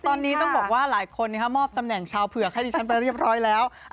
ตอนนี้ต้องบอกว่าหลายคนมอบตำแหน่งชาวเผือกให้ดิฉันไปเรียบร้อยแล้ว